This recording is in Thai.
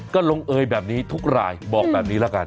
ก็ลงเอยแบบนี้ทุกรายบอกแบบนี้ละกัน